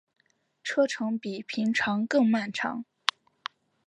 车程比平常更漫长